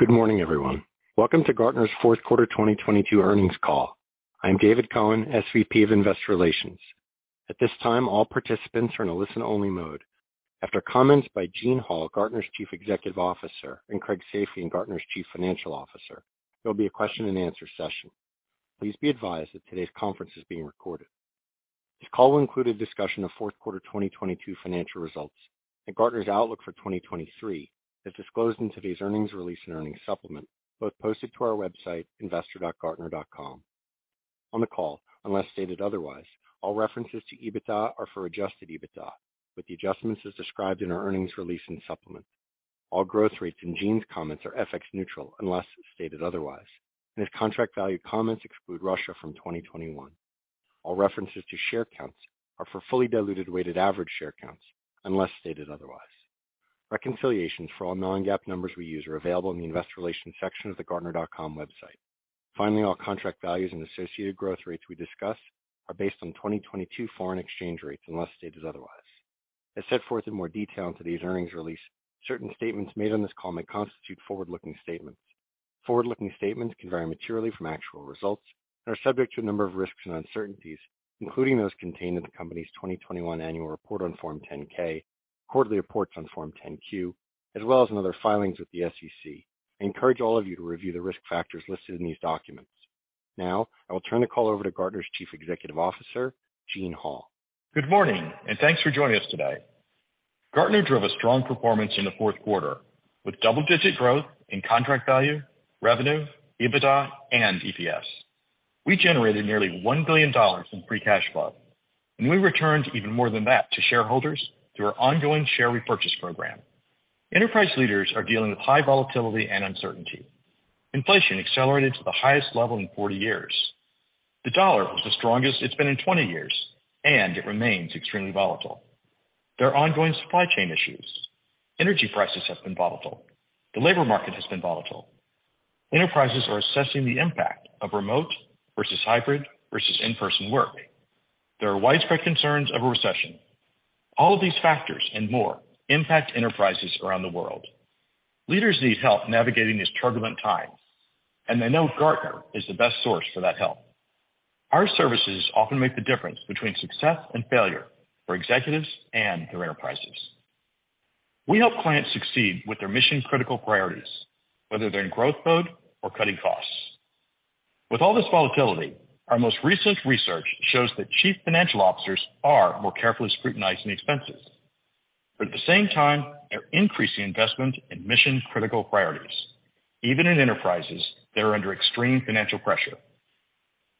Good morning, everyone. Welcome to Gartner's Fourth Quarter 2022 Earnings Call. I'm David Cohen, SVP of Investor Relations. At this time, all participants are in a listen-only mode. After comments by Gene Hall, Gartner's Chief Executive Officer and Craig Safian, Gartner's Chief Financial Officer, there'll be a question-and-answer session. Please be advised that today's conference is being recorded. This call will include a discussion of fourth quarter 2022 financial results and Gartner's outlook for 2023, as disclosed in today's earnings release and earnings supplement, both posted to our website, investor.gartner.com. On the call, unless stated otherwise, all references to EBITDA are for adjusted EBITDA with the adjustments as described in our earnings release and supplement. All growth rates in Gene's comments are FX neutral, unless stated otherwise, and his contract value comments exclude Russia from 2021. All references to share counts are for fully diluted weighted average share counts, unless stated otherwise. Reconciliations for all non-GAAP numbers we use are available in the investor relations section of the gartner.com website. All contract values and associated growth rates we discuss are based on 2022 foreign exchange rates unless stated otherwise. As set forth in more detail in today's earnings release, certain statements made on this call may constitute forward-looking statements. Forward-looking statements can vary materially from actual results and are subject to a number of risks and uncertainties, including those contained in the company's 2021 annual report on Form 10-K, quarterly reports on Form 10-Q, as well as in other filings with the SEC. I encourage all of you to review the risk factors listed in these documents. Now, I will turn the call over to Gartner's Chief Executive Officer, Gene Hall. Good morning and thanks for joining us today. Gartner drove a strong performance in the fourth quarter, with double-digit growth in contract value, revenue, EBITDA and EPS. We generated nearly $1 billion in free cash flow and we returned even more than that to shareholders through our ongoing share repurchase program. Enterprise leaders are dealing with high volatility and uncertainty. Inflation accelerated to the highest level in 40 years. The dollar was the strongest it's been in 20 years, and it remains extremely volatile. There are ongoing supply chain issues. Energy prices have been volatile. The labor market has been volatile. Enterprises are assessing the impact of remote versus hybrid versus in-person work. There are widespread concerns of a recession. All of these factors and more impact enterprises around the world. Leaders need help navigating this turbulent time, and they know Gartner is the best source for that help. Our services often make the difference between success and failure for executives and their enterprises. We help clients succeed with their mission-critical priorities, whether they're in growth mode or cutting costs. With all this volatility, our most recent research shows that chief financial officers are more carefully scrutinizing expenses, but at the same time, they're increasing investment in mission-critical priorities, even in enterprises that are under extreme financial pressure.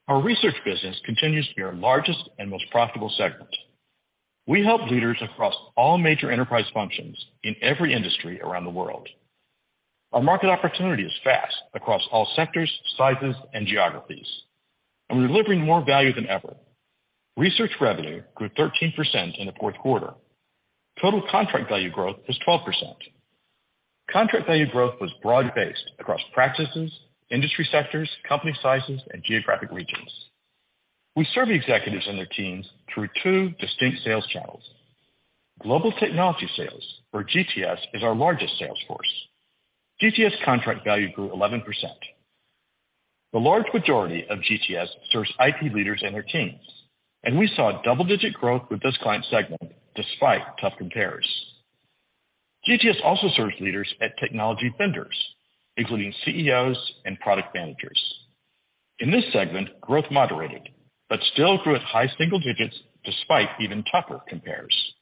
Our research business continues to be our largest and most profitable segment. We help leaders across all major enterprise functions in every industry around the world. Our market opportunity is fast across all sectors, sizes, and geographies, and we're delivering more value than ever. Research revenue grew 13% in the fourth quarter. Total contract value growth was 12%. Contract value growth was broad-based across practices, industry sectors, company sizes, and geographic regions. We serve executives and their teams through two distinct sales channels. Global Technology Sales, or GTS, is our largest sales force. GTS contract value grew 11%. The large majority of GTS serves IT leaders and their teams, and we saw a double-digit growth with this client segment despite tough compares. GTS also serves leaders at technology vendors, including CEOs and product managers. In this segment, growth moderated but still grew at high single digits despite even tougher compares.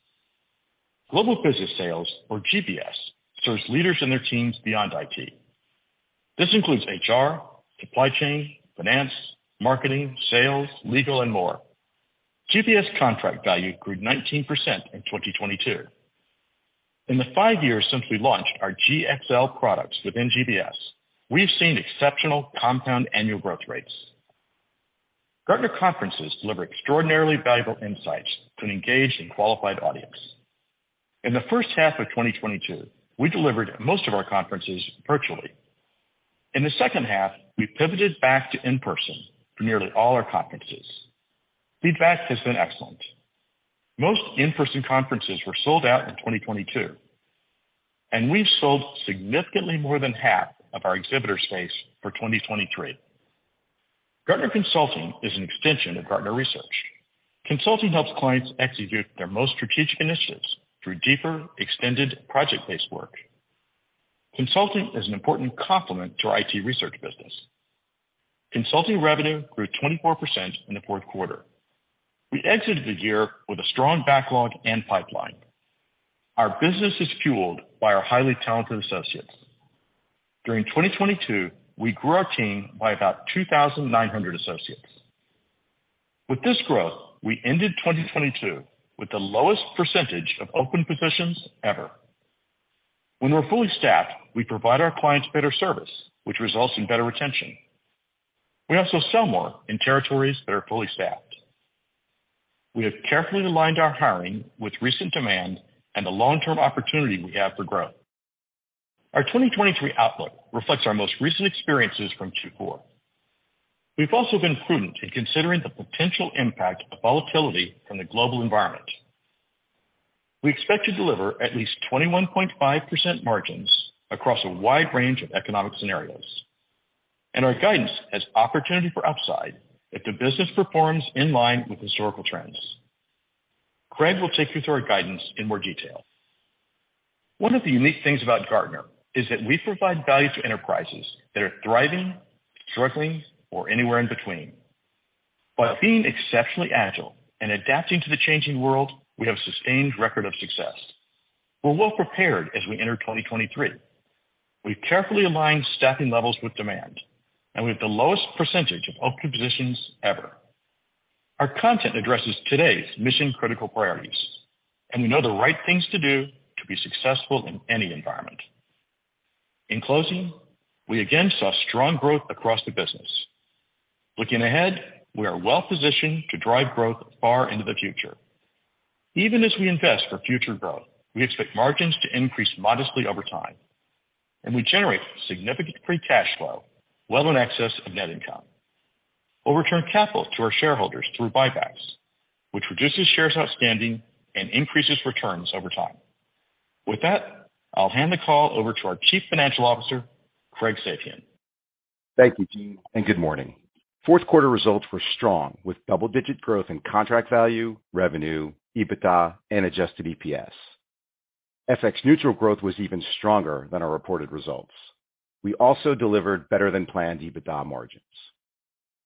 Global Business Sales, or GBS serves leaders and their teams beyond IT. This includes HR, supply chain, finance, marketing, sales, legal, and more. GBS contract value grew 19% in 2022. In the five years since we launched, our GxL products within GBS, we've seen exceptional compound annual growth rates. Gartner conferences deliver extraordinarily valuable insights to an engaged and qualified audience. In the first half of 2022, we delivered most of our conferences virtually. In the second half, we pivoted back to in-person for nearly all our conferences. Feedback has been excellent. Most in-person conferences were sold out in 2022, and we've sold significantly more than half of our exhibitor space for 2023. Gartner Consulting is an extension of Gartner research. Consulting helps clients execute their most strategic initiatives through deeper, extended project-based work. Consulting is an important complement to our IT research business. Consulting revenue grew 24% in the fourth quarter. We exited the year with a strong backlog and pipeline. Our business is fueled by our highly talented associates. During 2022, we grew our team by about 2,900 associates. With this growth, we ended 2022 with the lowest percentage of open positions ever. When we're fully staffed, we provide our clients better service, which results in better retention. We also sell more in territories that are fully staffed. We have carefully aligned our hiring with recent demand and the long-term opportunity we have for growth. Our 2023 outlook reflects our most recent experiences from Q4. We've also been prudent in considering the potential impact of volatility from the global environment. We expect to deliver at least 21.5% margins across a wide range of economic scenarios, our guidance has opportunity for upside if the business performs in line with historical trends. Craig will take you through our guidance in more detail. One of the unique things about Gartner is that we provide value to enterprises that are thriving, struggling, or anywhere in between. By being exceptionally agile and adapting to the changing world, we have a sustained record of success. We're well-prepared as we enter 2023. We've carefully aligned staffing levels with demand. We have the lowest percentage of open positions ever. Our content addresses today's mission-critical priorities and we know the right things to do to be successful in any environment. In closing, we again saw strong growth across the business. Looking ahead, we are well-positioned to drive growth far into the future. Even as we invest for future growth, we expect margins to increase modestly over time. We generate significant free cash flow, well in excess of net income, or return capital to our shareholders through buybacks, which reduces shares outstanding and increases returns over time. With that, I'll hand the call over to our Chief Financial Officer, Craig Safian. Thank you, Gene, and good morning. Fourth quarter results were strong with double-digit growth in contract value, revenue, EBITDA, and adjusted EPS. FX neutral growth was even stronger than our reported results. We also delivered better-than-planned EBITDA margins.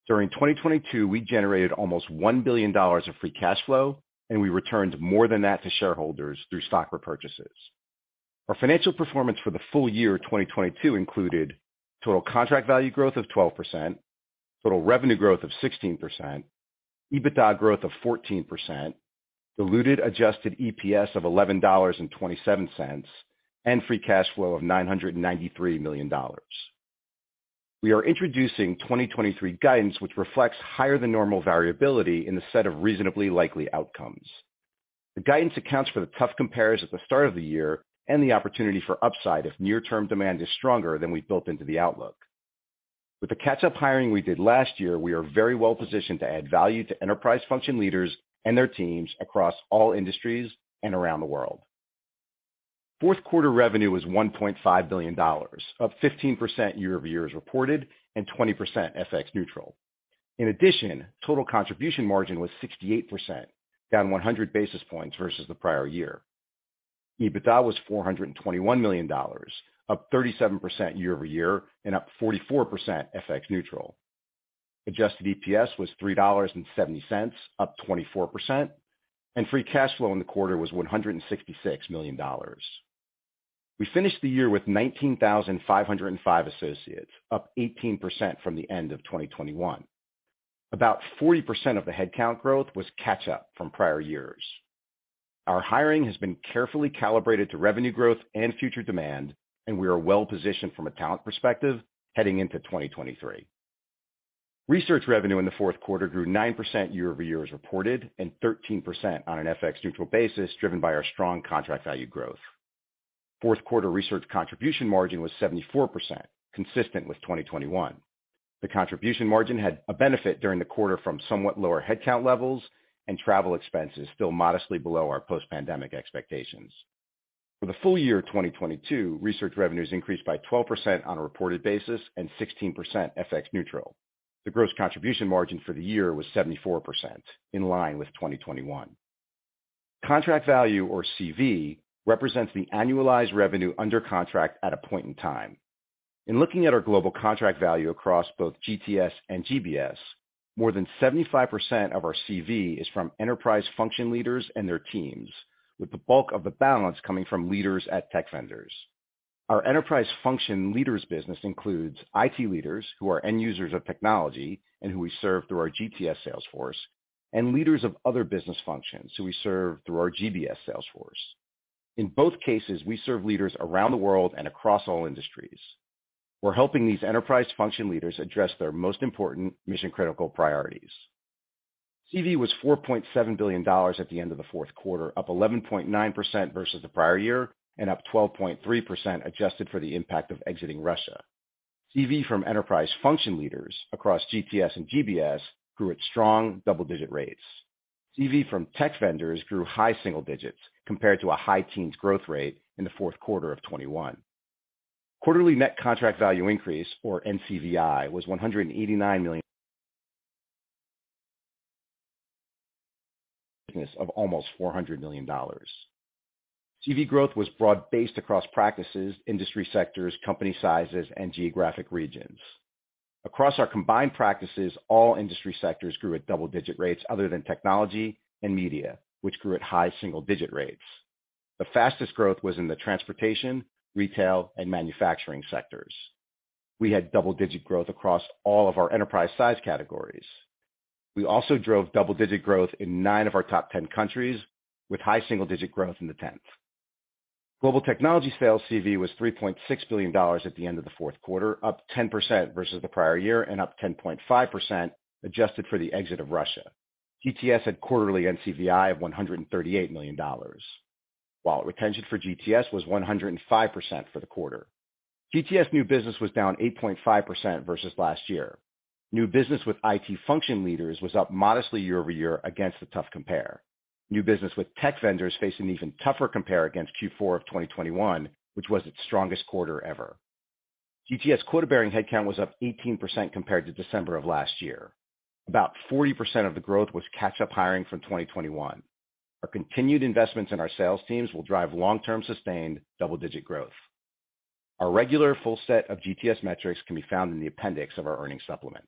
During 2022, we generated almost $1 billion of free cash flow and we returned more than that to shareholders through stock repurchases. Our financial performance for the full-year of 2022 included total contract value growth of 12%, total revenue growth of 16%, EBITDA growth of 14%, diluted adjusted EPS of $11.27, and free cash flow of $993 million. We are introducing 2023 guidance, which reflects higher-than-normal variability in the set of reasonably likely outcomes. The guidance accounts for the tough compares at the start of the year and the opportunity for upside if near-term demand is stronger than we've built into the outlook. With the catch-up hiring we did last year, we are very well-positioned to add value to enterprise function leaders and their teams across all industries and around the world. Fourth quarter revenue was $1.5 billion, up 15% year-over-year as reported, and 20% FX neutral. In addition, total contribution margin was 68%, down 100 basis points versus the prior year. EBITDA was $421 million, up 37% year-over-year and up 44% FX neutral. Adjusted EPS was $3.70, up 24% and free cash flow in the quarter was $166 million. We finished the year with 19,505 associates, up 18% from the end of 2021. About 40% of the headcount growth was catch-up from prior years. Our hiring has been carefully calibrated to revenue growth and future demand, and we are well-positioned from a talent perspective heading into 2023. Research revenue in the fourth quarter grew 9% year-over-year as reported and 13% on an FX neutral basis, driven by our strong contract value growth. Fourth quarter research contribution margin was 74%, consistent with 2021. The contribution margin had a benefit during the quarter from somewhat lower headcount levels and travel expenses still modestly below our post-pandemic expectations. For the full-year of 2022, research revenues increased by 12% on a reported basis and 16% FX neutral. The gross contribution margin for the year was 74% in line with 2021. Contract value or CV represents the annualized revenue under contract at a point in time. In looking at our global contract value across both GTS and GBS, more than 75% of our CV is from enterprise function leaders and their teams, with the bulk of the balance coming from leaders at tech vendors. Our enterprise function leaders business includes IT leaders, who are end users of technology and who we serve through our GTS sales force, and leaders of other business functions who we serve through our GBS sales force. In both cases, we serve leaders around the world and across all industries. We're helping these enterprise function leaders address their most important mission-critical priorities. CV was $4.7 billion at the end of the fourth quarter, up 11.9% versus the prior year and up 12.3% adjusted for the impact of exiting Russia. CV from enterprise function leaders across GTS and GBS grew at strong double-digit rates. CV from tech vendors grew high single digits compared to a high teens growth rate in the fourth quarter of 2021. Quarterly net contract value increase or NCVI was $189 million, of almost $400 million. CV growth was broad-based across practices, industry sectors, company sizes, and geographic regions. Across our combined practices, all industry sectors grew at double-digit rates other than technology and media, which grew at high single-digit rates. The fastest growth was in the transportation, retail, and manufacturing sectors. We had double-digit growth across all of our enterprise size categories. We also drove double-digit growth in nine of our top 10 countries with high single-digit growth in the 10th. Global technology sales CV was $3.6 billion at the end of the fourth quarter, up 10% versus the prior year and up 10.5% adjusted for the exit of Russia. GTS had quarterly NCVI of $138 million, while retention for GTS was 105% for the quarter. GTS new business was down 8.5% versus last year. New business with IT function leaders was up modestly year-over-year against a tough compare. New business with tech vendors faced an even tougher compare against Q4 of 2021, which was its strongest quarter ever. GTS quota-bearing headcount was up 18% compared to December of last year. About 40% of the growth was catch-up hiring from 2021. Our continued investments in our sales teams will drive long-term sustained double-digit growth. Our regular full set of GTS metrics can be found in the appendix of our earnings supplement.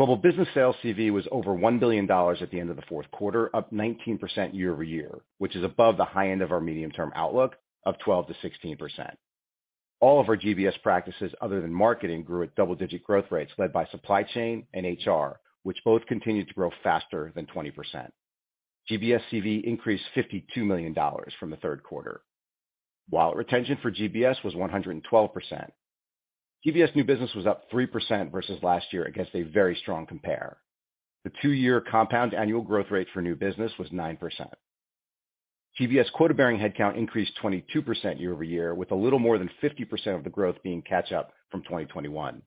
Global business sales CV was over $1 billion at the end of the fourth quarter, up 19% year-over-year, which is above the high end of our medium-term outlook of 12% to 16%. All of our GBS practices other than marketing grew at double-digit growth rates led by supply chain and HR, which both continued to grow faster than 20%. GBS CV increased $52 million from the 3rd quarter. Wallet retention for GBS was 112%. GBS new business was up 3% versus last year against a very strong compare. The two-year compound annual growth rate for new business was 9%. GBS quota-bearing headcount increased 22% year-over-year, with a little more than 50% of the growth being catch-up from 2021.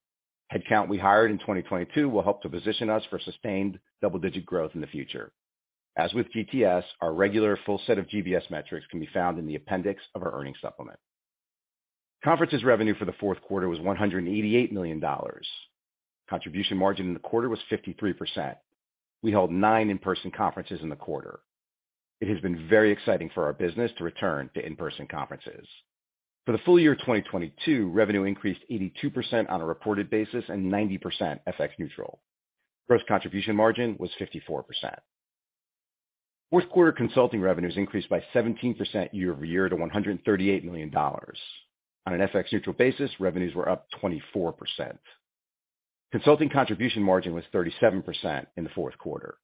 Headcount we hired in 2022 will help to position us for sustained double-digit growth in the future. As with GTS, our regular full set of GBS metrics can be found in the appendix of our earnings supplement. Conferences revenue for the fourth quarter was $188 million. Contribution margin in the quarter was 53%. We held nine in-person conferences in the quarter. It has been very exciting for our business to return to in-person conferences. For the full-year 2022, revenue increased 82% on a reported basis and 90% FX neutral. Gross contribution margin was 54%. Fourth quarter consulting revenues increased by 17% year-over-year to $138 million. On an FX neutral basis, revenues were up 24%. Consulting contribution margin was 37% in the fourth quarter.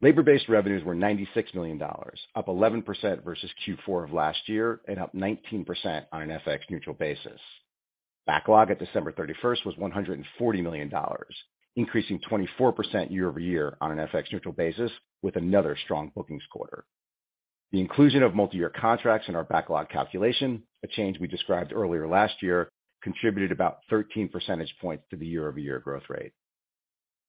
Labor-based revenues were $96 million, up 11% versus Q4 of last year and up 19% on an FX neutral basis. Backlog at December 31st was $140 million increasing 24% year-over-year on an FX neutral basis with another strong bookings quarter. The inclusion of multi-year contracts in our backlog calculation, a change we described earlier last year contributed about 13 percentage points to the year-over-year growth rate.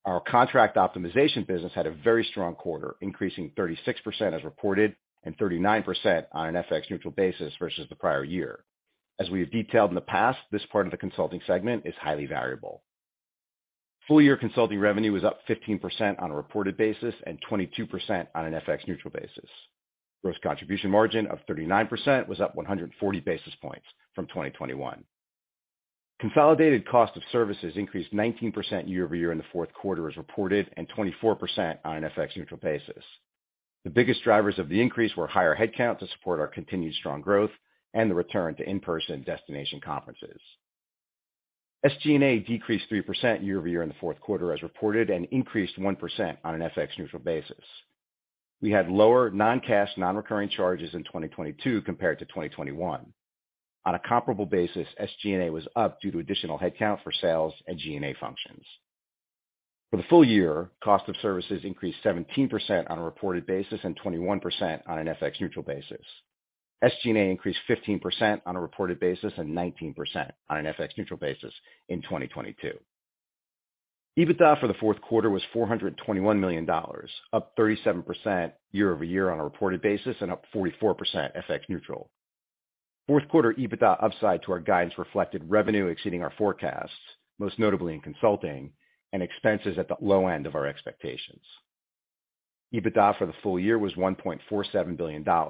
Our contract optimization business had a very strong quarter, increasing 36% as reported and 39% on an FX neutral basis versus the prior year. As we have detailed in the past, this part of the consulting segment is highly variable. Full-year consulting revenue was up 15% on a reported basis and 22% on an FX neutral basis. Gross contribution margin of 39% was up 140 basis points from 2021. Consolidated cost of services increased 19% year-over-year in the fourth quarter as reported and 24% on an FX neutral basis. The biggest drivers of the increase were higher headcount to support our continued strong growth and the return to in-person destination conferences. SG&A decreased 3% year-over-year in the fourth quarter as reported and increased 1% on an FX neutral basis. We had lower non-cash, non-recurring charges in 2022 compared to 2021. On a comparable basis, SG&A was up due to additional headcount for sales and G&A functions. For the full-year, cost of services increased 17% on a reported basis and 21% on an FX neutral basis. SG&A increased 15% on a reported basis and 19% on an FX neutral basis in 2022. EBITDA for the fourth quarter was $421 million, up 37% year-over-year on a reported basis and up 44% FX neutral. Fourth quarter EBITDA upside to our guidance reflected revenue exceeding our forecasts, most notably in consulting and expenses at the low end of our expectations. EBITDA for the full-year was $1.47 billion, a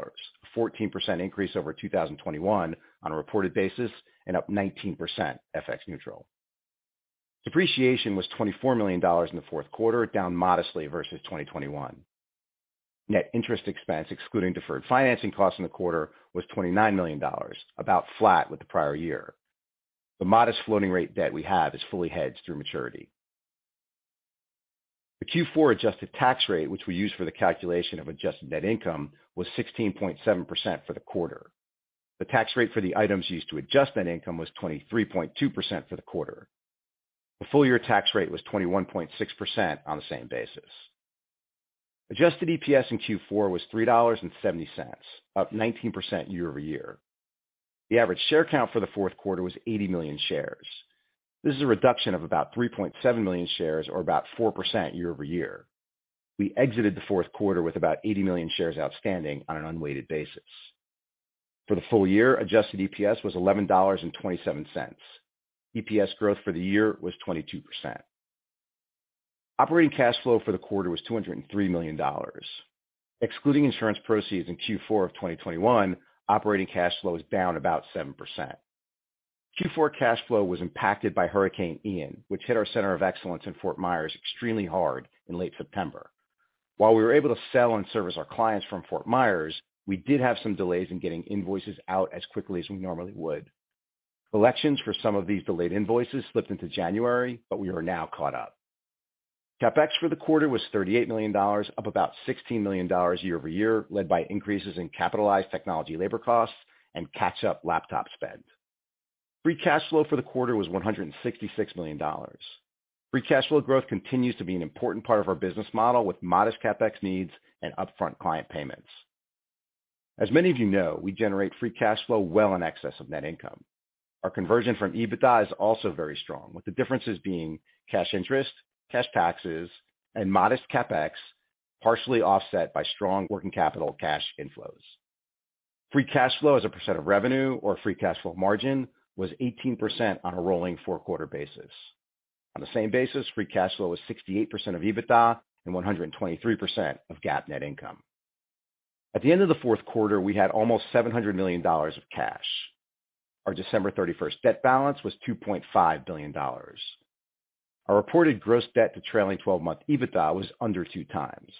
14% increase over 2021 on a reported basis and up 19% FX neutral. Depreciation was $24 million in the fourth quarter down modestly versus 2021. Net interest expense excluding deferred financing costs in the quarter was $29 million, about flat with the prior year. The modest floating rate debt we have is fully hedged through maturity. The Q4 adjusted tax rate, which we use for the calculation of adjusted net income, was 16.7% for the quarter. The tax rate for the items used to adjust net income was 23.2% for the quarter. The full-year tax rate was 21.6% on the same basis. Adjusted EPS in Q4 was $3.70, up 19% year-over-year. The average share count for the fourth quarter was 80 million shares. This is a reduction of about 3.7 million shares or about 4% year-over-year. We exited the fourth quarter with about 80 million shares outstanding on an unweighted basis. For the full-year, adjusted EPS was $11.27. EPS growth for the year was 22%. Operating cash flow for the quarter was $203 million. Excluding insurance proceeds in Q4 of 2021, operating cash flow is down about 7%. Q4 cash flow was impacted by Hurricane Ian, which hit our center of excellence in Fort Myers extremely hard in late September. While we were able to sell and service our clients from Fort Myers, we did have some delays in getting invoices out as quickly as we normally would. Collections for some of these delayed invoices slipped into January but we are now caught up. CapEx for the quarter was $38 million, up about $16 million year-over-year, led by increases in capitalized technology labor costs and catch-up laptop spend. Free cash flow for the quarter was $166 million. Free cash flow growth continues to be an important part of our business model with modest CapEx needs and upfront client payments. As many of you know, we generate free cash flow well in excess of net income. Our conversion from EBITDA is also very strong, with the differences being cash interest, cash taxes, and modest CapEx, partially offset by strong working capital cash inflows. Free cash flow as a percent of revenue or free cash flow margin was 18% on a rolling four-quarter basis. On the same basis, free cash flow was 68% of EBITDA and 123% of GAAP net income. At the end of the fourth quarter, we had almost $700 million of cash. Our December 31st debt balance was $2.5 billion. Our reported gross debt to trailing twelve-month EBITDA was under two times.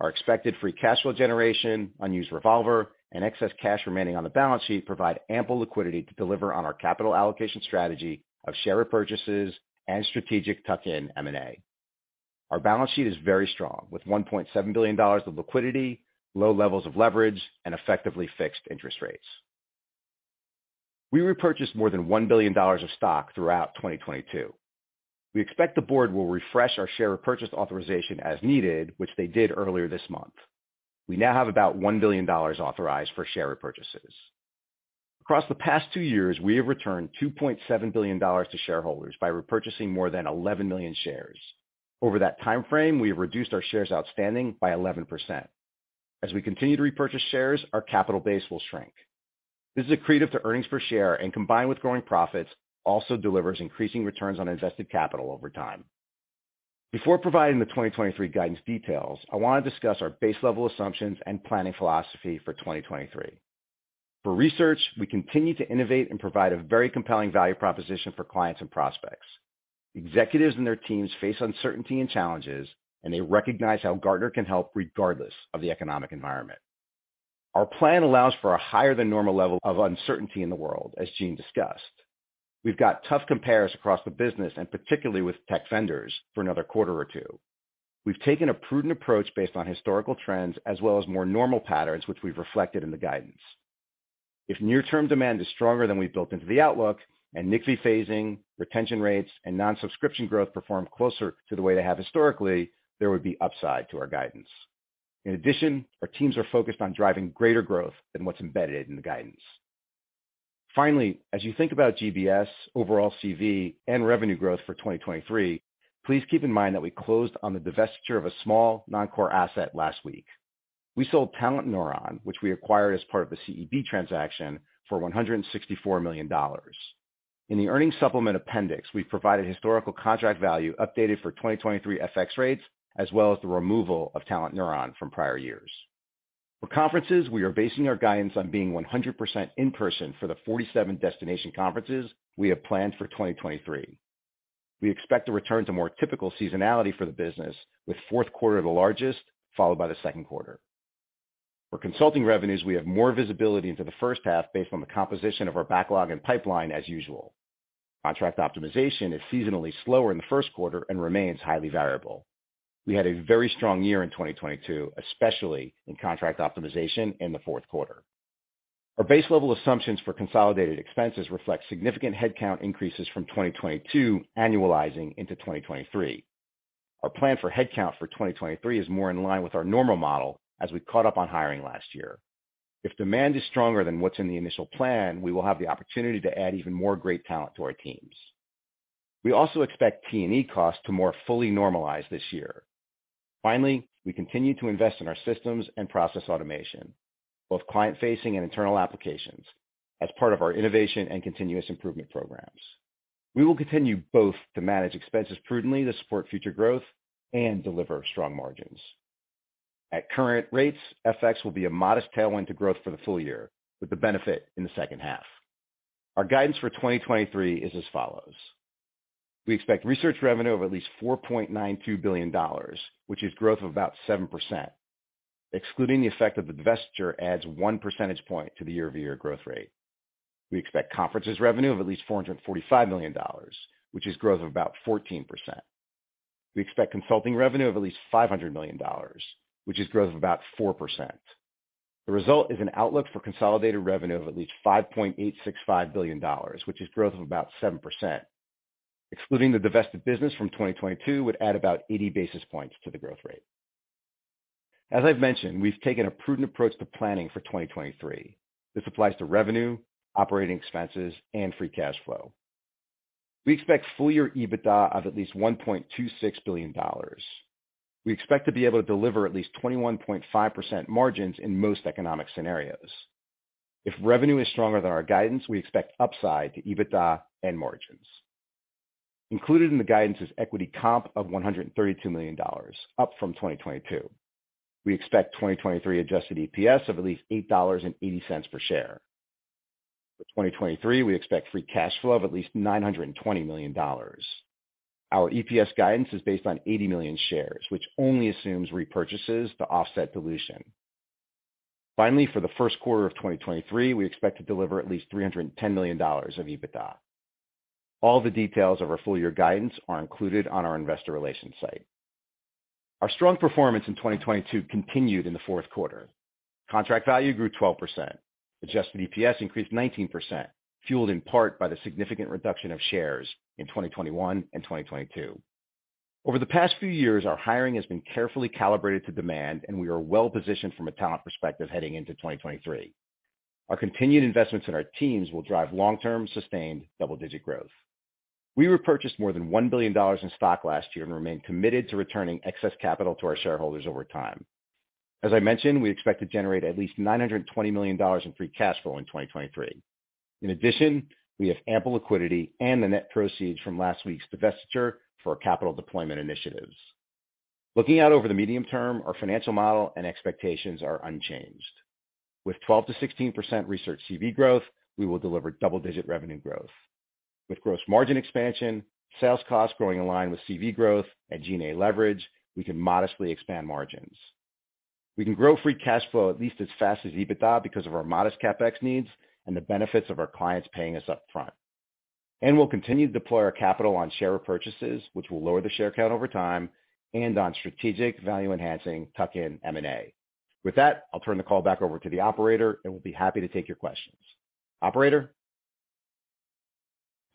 Our expected free cash flow generation, unused revolver, and excess cash remaining on the balance sheet provide ample liquidity to deliver on our capital allocation strategy of share and a strategic tuck-in M&A. Our balance sheet is very strong, with $1.7 billion of liquidity, low levels of leverage, and effectively fixed interest rates. We repurchased more than $1 billion of stock throughout 2022. We expect the board will refresh our share repurchase authorization as needed, which they did earlier this month. We now have about $1 billion authorized for share repurchases. Across the past two years, we have returned $2.7 billion to shareholders by repurchasing more than 11 million shares. Over that time frame, we have reduced our shares outstanding by 11%. As we continue to repurchase shares, our capital base will shrink. This is accretive to earnings per share and combined with growing profits also delivers increasing returns on invested capital over time. Before providing the 2023 guidance details, I want to discuss our base level assumptions and planning philosophy for 2023. For research, we continue to innovate and provide a very compelling value proposition for clients and prospects. Executives and their teams face uncertainty and challenges, and they recognize how Gartner can help regardless of the economic environment. Our plan allows for a higher than normal level of uncertainty in the world, as Gene discussed. We've got tough compares across the business, and particularly with tech vendors for another quarter or two. We've taken a prudent approach based on historical trends as well as more normal patterns, which we've reflected in the guidance. If near term demand is stronger than we've built into the outlook and NCVI phasing, retention rates, and non-subscription growth perform closer to the way they have historically, there would be upside to our guidance. In addition, our teams are focused on driving greater growth than what's embedded in the guidance. Finally, as you think about GBS, overall CV, and revenue growth for 2023, please keep in mind that we closed on the divestiture of a small non-core asset last week. We sold TalentNeuron, which we acquired as part of the CEB transaction for $164 million. In the earnings supplement appendix, we've provided historical contract value updated for 2023 FX rates, as well as the removal of TalentNeuron from prior years. For conferences, we are basing our guidance on being 100% in person for the 47 destination conferences we have planned for 2023. We expect to return to more typical seasonality for the business with fourth quarter the largest followed by the second quarter. For consulting revenues, we have more visibility into the first half based on the composition of our backlog and pipeline as usual. Contract optimization is seasonally slower in the first quarter and remains highly variable. We had a very strong year in 2022 especially in contract optimization in the fourth quarter. Our base level assumptions for consolidated expenses reflect significant headcount increases from 2022 annualizing into 2023. Our plan for headcount for 2023 is more in line with our normal model as we caught up on hiring last year. If demand is stronger than what's in the initial plan, we will have the opportunity to add even more great talent to our teams. We also expect T&E costs to more fully normalize this year. Finally, we continue to invest in our systems and process automation, both client-facing and internal applications, as part of our innovation and continuous improvement programs. We will continue both to manage expenses prudently to support future growth and deliver strong margins. At current rates, FX will be a modest tailwind to growth for the full-year, with the benefit in the second half. Our guidance for 2023 is as follows. We expect research revenue of at least $4.92 billion, which is growth of about 7%, excluding the effect of the divestiture adds one percentage point to the year-over-year growth rate. We expect conferences revenue of at least $445 million, which is growth of about 14%. We expect consulting revenue of at least $500 million, which is growth of about 4%. The result is an outlook for consolidated revenue of at least $5.865 billion, which is growth of about 7%. Excluding the divested business from 2022 would add about 80 basis points to the growth rate. As I've mentioned, we've taken a prudent approach to planning for 2023. This applies to revenue, operating expenses, and free cash flow. We expect full-year EBITDA of at least $1.26 billion. We expect to be able to deliver at least 21.5% margins in most economic scenarios. If revenue is stronger than our guidance, we expect upside to EBITDA and margins. Included in the guidance is equity comp of $132 million, up from 2022. We expect 2023 adjusted EPS of at least $8.80 per share. For 2023, we expect free cash flow of at least $920 million. Our EPS guidance is based on 80 million shares, which only assumes repurchases to offset dilution. Finally, for the first quarter of 2023, we expect to deliver at least $310 million of EBITDA. All the details of our full-year guidance are included on our investor relations site. Our strong performance in 2022 continued in the fourth quarter. Contract value grew 12%. Adjusted EPS increased 19% fueled in part by the significant reduction of shares in 2021 and 2022. Over the past few years, our hiring has been carefully calibrated to demand, and we are well-positioned from a talent perspective heading into 2023. Our continued investments in our teams will drive long-term, sustained double-digit growth. We repurchased more than $1 billion in stock last year and remain committed to returning excess capital to our shareholders over time. As I mentioned, we expect to generate at least $920 million in free cash flow in 2023. In addition, we have ample liquidity and the net proceeds from last week's divestiture for capital deployment initiatives. Looking out over the medium term, our financial model and expectations are unchanged. With 12% to 16% research CV growth, we will deliver double-digit revenue growth. With gross margin expansion, sales costs growing in line with CV growth, and G&A leverage, we can modestly expand margins. We can grow free cash flow at least as fast as EBITDA because of our modest CapEx needs and the benefits of our clients paying us up front. We'll continue to deploy our capital on share repurchases, which will lower the share count over time, and on strategic value-enhancing tuck-in M&A. With that, I'll turn the call back over to the operator, and we'll be happy to take your questions. Operator?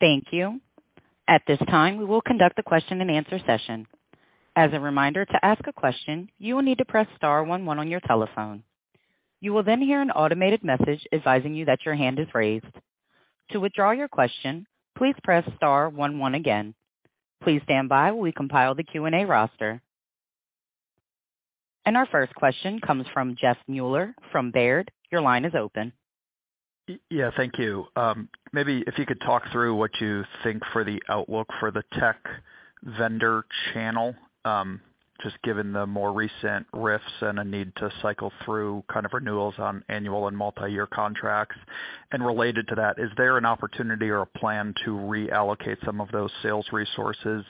Thank you. At this time, we will conduct the question-and-answer session. As a reminder, to ask a question, you will need to press star one one on your telephone. You will then hear an automated message advising you that your hand is raised. To withdraw your question, please press star one one again. Please stand by while we compile the Q&A roster. Our first question comes from Jeff Meuler from Baird. Your line is open. Yeah, thank you. Maybe if you could talk through what you think for the outlook for the tech vendor channel just given the more recent RIFs and a need to cycle through kind of renewals on annual and multiyear contracts, and related to that, is there an opportunity or a plan to reallocate some of those sales resources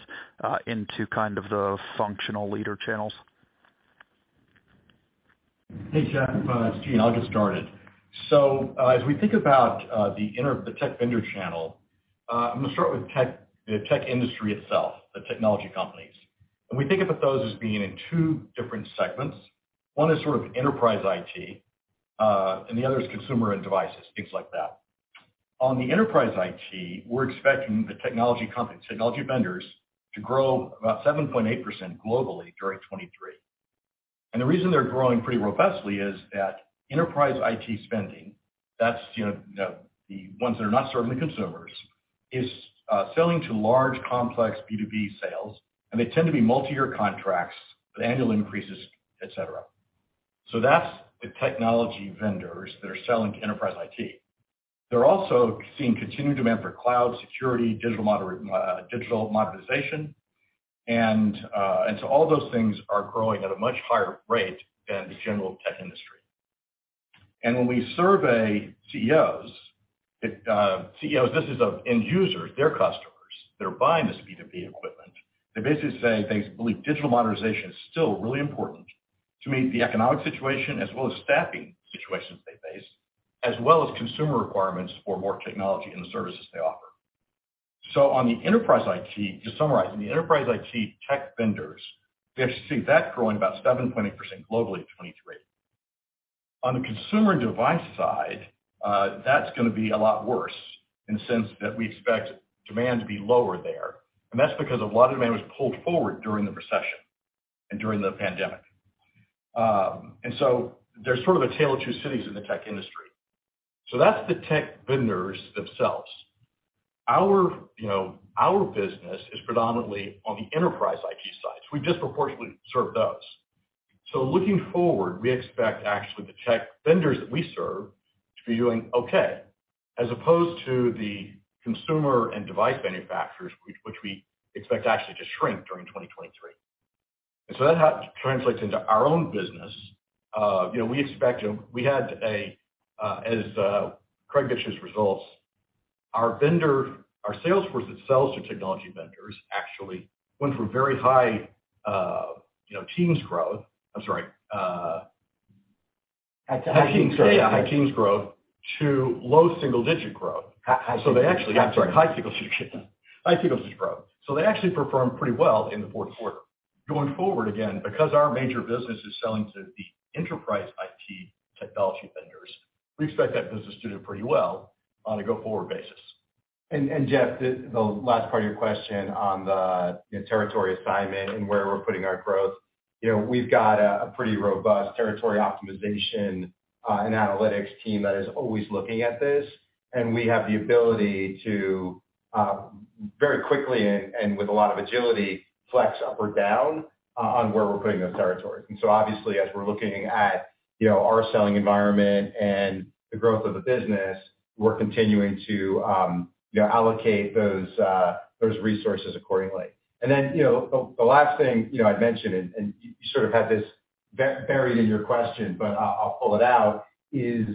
into kind of the functional leader channels? Jeff, it's Gene. I'll get started. As we think about the tech vendor channel, I'm going to start with tech, the tech industry itself, the technology companies. We think about those as being in two different segments. One is sort of enterprise IT, and the other is consumer and devices, things like that. On the enterprise IT, we're expecting the technology companies, technology vendors to grow about 7.8% globally during 2023. The reason they're growing pretty robustly is that enterprise IT spending that's, you know, the ones that are not serving the consumers is selling to large, complex B2B sales, and they tend to be multiyear contracts with annual increases, et cetera. That's the technology vendors that are selling to enterprise IT. They are also seeing continued demand for cloud security, digital modernization, and so all those things are growing at a much higher rate than the general tech industry. When we survey CEOs, CEOs, this is of end users, their customers that are buying this B2B equipment, they basically say they believe digital modernization is still really important to meet the economic situation as well as staffing situations they face, as well as consumer requirements for more technology and the services they offer. On the enterprise IT, to summarize, on the enterprise IT tech vendors, we actually see that growing about 7.8% globally in 2023. On the consumer device side, that's going to be a lot worse in the sense that we expect demand to be lower there, and that's because a lot of demand was pulled forward during the recession, and during the pandemic. There's sort of a tale of two cities in the tech industry. That's the tech vendors themselves. Our, you know, our business is predominantly on the enterprise IT side, so we disproportionately serve those. Looking forward, we expect actually the tech vendors that we serve to be doing okay, as opposed to the consumer and device manufacturers, which we expect actually to shrink during 2023. That translates into our own business, you know, we expect to, we had a, as Craig mentioned results, our vendor, our sales force that sells to technology vendors actually went from very high, you know, teams growth. High-teens-growth. Yeah, high-teens growth to low-single digit growth. High-teens. I'm sorry, high-single-digit growth. They actually performed pretty well in the fourth quarter. Going forward, again, because our major business is selling to the enterprise IT technology vendors, we expect that business to do pretty well on a go-forward basis. Jeff, the last part of your question on the, you know, territory assignment and where we're putting our growth, you know, we've got a pretty robust territory optimization and analytics team that is always looking at this. We have the ability to very quickly and with a lot of agility, flex up or down on where we're putting those territories. Obviously, as we're looking at, you know, our selling environment and the growth of the business, we're continuing to, you know, allocate those resources accordingly. You know, the last thing, you know, I'd mention, and you sort of had this buried in your question, but I'll pull it out, is,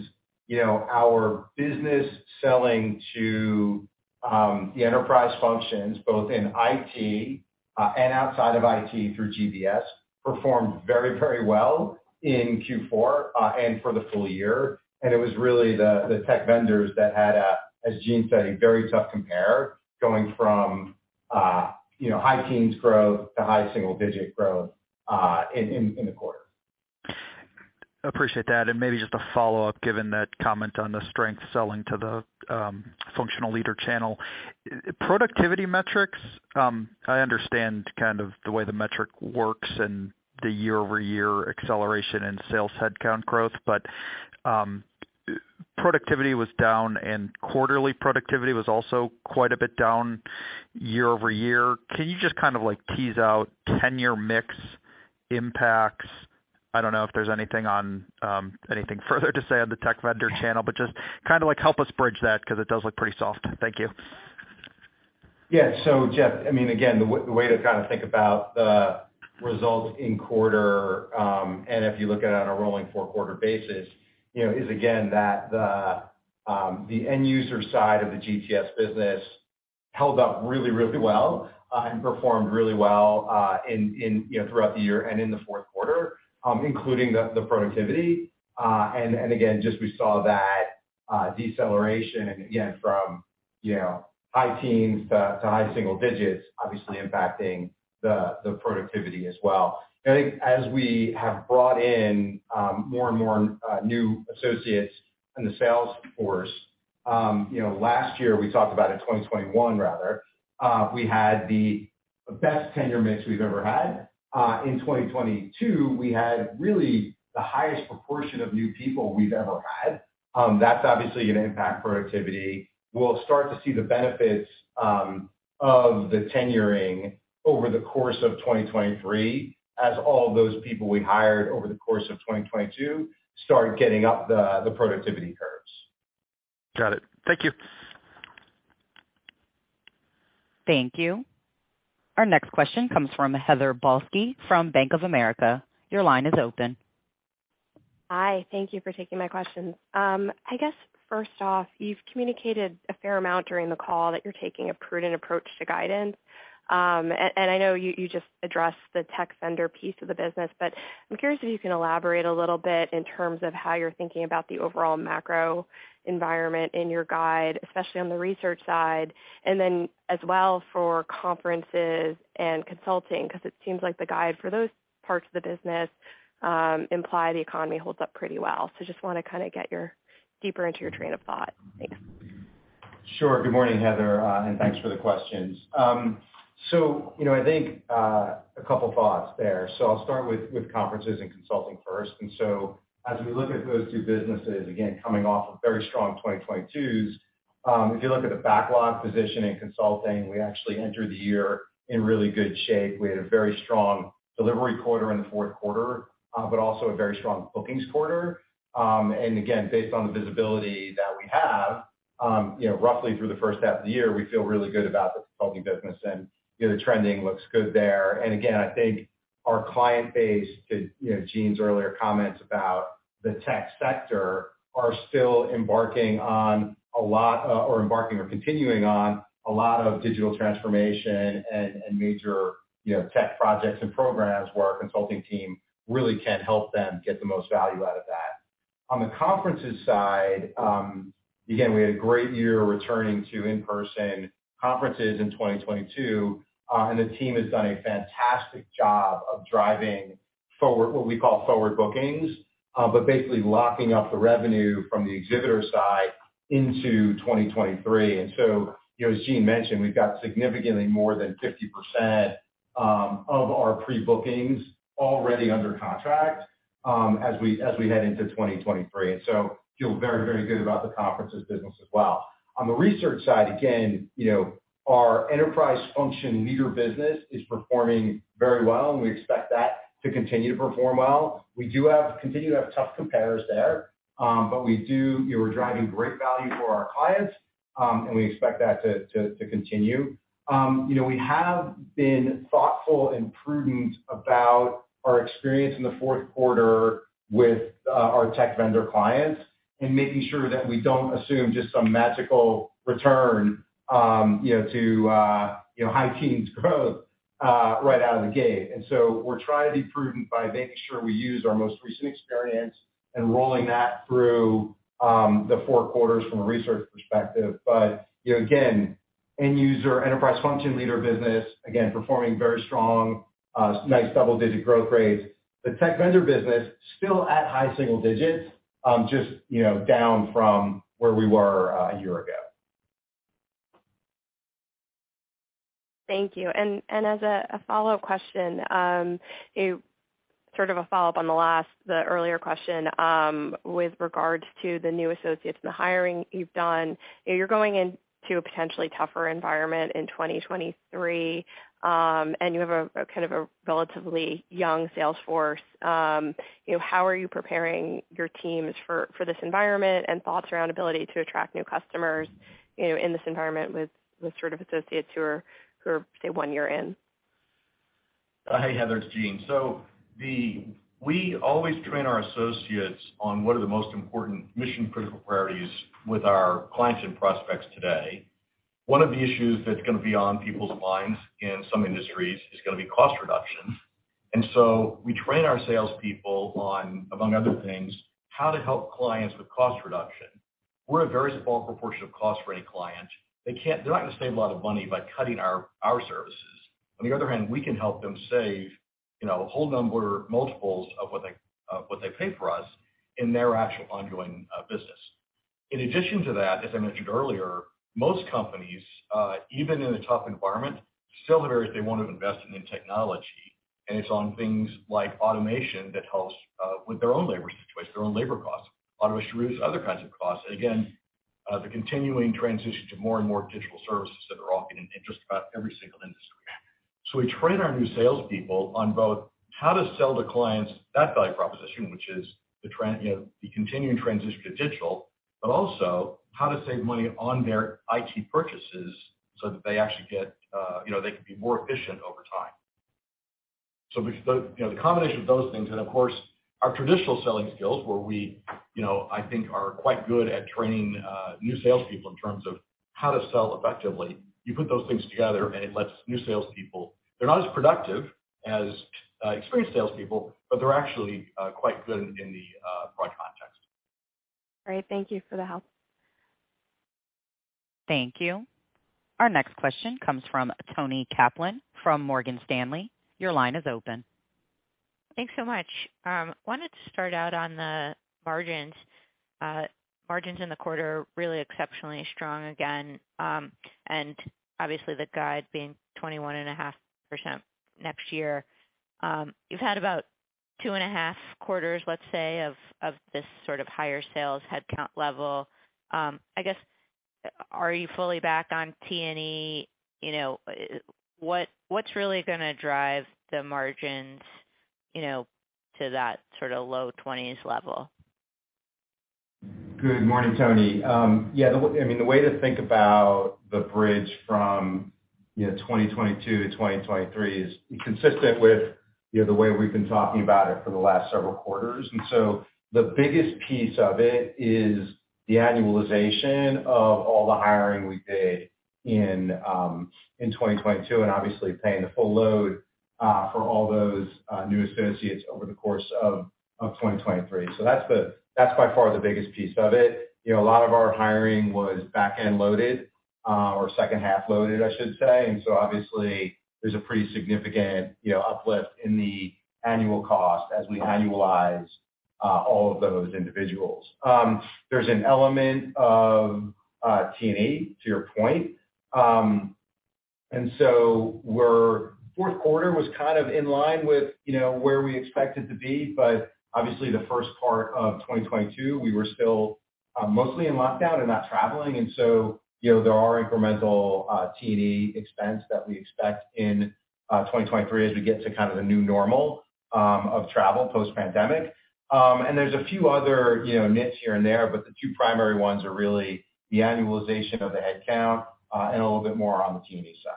you know, our business selling to the enterprise functions, both in IT and outside of IT through GBS performed very, very well in Q4 and for the full-year. It was really the tech vendors that had a, as Gene said, a very tough compare going from, you know, high-teens growth to high-single digit growth in the quarter. Appreciate that. Maybe just a follow-up, given that comment on the strength selling to the functional leader channel. Productivity metrics, I understand kind of the way the metric works and the year-over-year acceleration in sales headcount growth, but productivity was down and quarterly productivity was also quite a bit down year-over-year. Can you just kind of, like, tease out tenure mix impacts? I don't know if there's anything further to say on the tech vendor channel, but just kind of like help us bridge that because it does look pretty soft. Thank you. Jeff, I mean, again, the way to kind of think about the results in quarter, and if you look at it on a rolling four-quarter basis, you know, is again that the end user side of the GTS business held up really, really well, and performed really well in, you know, throughout the year and in the fourth quarter, including the productivity. And again, just we saw that deceleration and again from, you know, high teens to high single digits, obviously impacting the productivity as well. I think as we have brought in more and more new associates in the sales force, you know, last year we talked about in 2021 rather, we had the best tenure mix we've ever had. In 2022, we had really the highest proportion of new people we've ever had. That's obviously going to impact productivity. We'll start to see the benefits, of the tenuring over the course of 2023 as all those people we hired over the course of 2022 start getting up the productivity curves. Got it. Thank you. Thank you. Our next question comes from Heather Balsky from Bank of America. Your line is open. Hi. Thank you for taking my questions. First off, you've communicated a fair amount during the call that you're taking a prudent approach to guidance. I know you just addressed the tech vendor piece of the business, but I'm curious if you can elaborate a little bit in terms of how you're thinking about the overall macro environment in your guide especially on the research side, and then as well for conferences and consulting, because it seems like the guide for those parts of the business imply the economy holds up pretty well so I just want to kind of get your deeper into your train of thought. Thanks. Sure. Good morning, Heather, and thanks for the questions. I think a couple thoughts there. I'll start with conferences and consulting first. As we look at those two businesses, again, coming off of very strong 2022s, if you look at the backlog position in consulting, we actually entered the year in really good shape. We had a very strong delivery quarter in the fourth quarter, but also a very strong bookings quarter. Again, based on the visibility that we have, you know, roughly through the first half of the year, we feel really good about the consulting business and, you know, the trending looks good there. Again, I think our client base to, you know, Gene's earlier comments about the tech sector are still embarking on a lot or embarking or continuing on a lot of digital transformation and major, you know, tech projects and programs where our consulting team really can help them get the most value out of that. On the conferences side, again, we had a great year returning to in-person conferences in 2022, and the team has done a fantastic job of driving what we call forward bookings, but basically locking up the revenue from the exhibitor side into 2023. As Gene mentioned, we've got significantly more than 50% of our pre-bookings already under contract as we head into 2023, and so we feel very, very good about the conferences business as well. On the research side, again, you know, our enterprise function leader business is performing very well and we expect that to continue to perform well. We do continue to have tough compares there, but we do, you know, we're driving great value for our clients, and we expect that to continue. You know, we have been thoughtful and prudent about our experience in the fourth quarter with our tech vendor clients and making sure that we don't assume just some magical return, you know, to, you know, high teens growth right out of the gate. We're trying to be prudent by making sure we use our most recent experience and rolling that through the four quarters from a research perspective. Again, end user enterprise function leader business, again, performing very strong, nice double-digit growth rates. The tech vendor business still at high-single-digits, just, you know, down from where we were a year ago. Thank you. As a follow-up question, sort of a follow-up on the last, the earlier question, with regard to the new associates and the hiring you've done, and you're going into a potentially tougher environment in 2023, and you have a kind of a relatively young sales force. How are you preparing your teams for this environment and thoughts around ability to attract new customers, you know, in this environment with sort of associates who are say, one year in? Hey, Heather, it's Gene. We always train our associates on what are the most important mission-critical priorities with our clients and prospects today. One of the issues that's going to be on people's minds in some industries is going to be cost reduction. We train our salespeople on, among other things, how to help clients with cost reduction. We're a very small proportion of cost for any client. They're not going to save a lot of money by cutting our services. On the other hand, we can help them save, you know, a whole number multiples of what they pay for us in their actual ongoing business. In addition to that, as I mentioned earlier, most companies, even in a tough environment, still there is they want to invest in technology, and it's on things like automation that helps with their own labor situation, their own labor costs. Automation removes other kinds of costs. Again, the continuing transition to more and more digital services that are offered in just about every single industry. We train our new salespeople on both how to sell to clients that value proposition, which is the you know, the continuing transition to digital, but also how to save money on their IT purchases so that they actually get, you know, they can be more efficient over time. The combination of those things and, of course, our traditional selling skills where we, you know, I think are quite good at training new salespeople in terms of how to sell effectively, when you put those things together, and it lets new salespeople. They're not as productive as experienced salespeople but they're actually quite good in the broad context. Great. Thank you for the help. Thank you. Our next question comes from Toni Kaplan from Morgan Stanley. Your line is open. Thanks so much. I wanted to start out on the margins. margins in the quarter are really exceptionally strong again, and obviously the guide being 21.5% next year. you've had about 2.5 quarters, let's say, of this sort of higher sales headcount level. Are you fully back on T&E? You know, what's reallygoing to drive the margins, you know, to that sort of low 20s level? Good morning, Toni. I mean, the way to think about the bridge from, you know, 2022 to 2023 is consistent with, you know, the way we've been talking about it for the last several quarters. The biggest piece of it is the annualization of all the hiring we did in 2022 and obviously paying the full load for all those new associates over the course of 2023. That's by far the biggest piece of it. A lot of our hiring was back-end loaded, or second half loaded, I should say. Obviously there's a pretty significant, you know, uplift in the annual cost as we annualize all of those individuals. There's an element of T&E to your point and so fourth quarter was kind of in line with, you know, where we expected to be. Obviously the first part of 2022, we were still mostly in lockdown and not traveling and so, you know, there are incremental T&E expense that we expect in 2023 as we get to kind of the new normal of travel post-pandemic. There's a few other, you know, nits here and there, but the two primary ones are really the annualization of the headcount and a little bit more on the T&E side.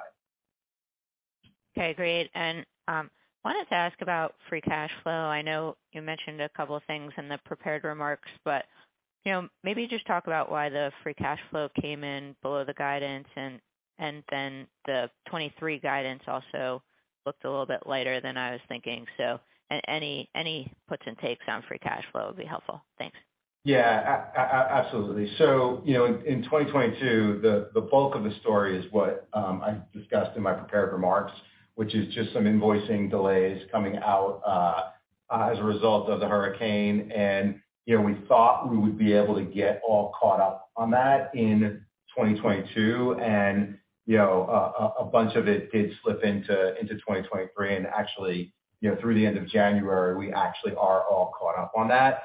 Okay, great. I wanted to ask about free cash flow. I know you mentioned a couple of things in the prepared remarks but, you know, maybe just talk about why the free cash flow came in below the guidance and then the 2023 guidance also looked a little bit lighter than I was thinking. Any puts and takes on free cash flow would be helpful. Thanks. Yeah. Absolutely. In 2022, the bulk of the story is what I discussed in my prepared remarks, which is just some invoicing delays coming out as a result of the Hurricane. You know, we thought we would be able to get all caught up on that in 2022, you know, a bunch of it did slip into 2023. Actually, you know, through the end of January, we actually are all caught up on that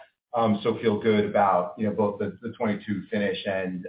so I feel good about, you know, both the 2022 finish and,